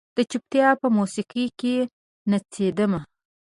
د چوپتیا په موسیقۍ کې نڅیدمه